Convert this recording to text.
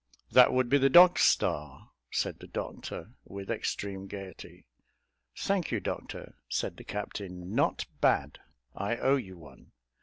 "That would be the Dog Star," said the doctor, with extreme gaiety. "Thank you, Doctor," said the captain; "not bad; I owe you one."